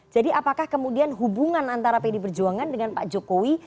jadi apakah kemudian hubungan antara pd perjuangan dengan pak jokowi